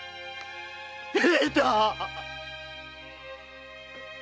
平太！